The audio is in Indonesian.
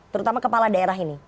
terutama kepala daerah ini